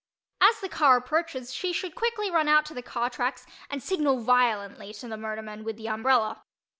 As the car approaches she should run quickly out to the car tracks and signal violently to the motorman with the umbrella.